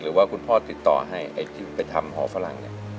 หรือว่าคุณพ่อติดต่อให้ไปทำหอฝรั่งนี่